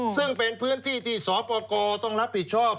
ซึ่งเป็นพื้นที่ที่สปกรต้องรับผิดชอบ